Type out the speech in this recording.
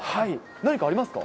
何かありますか？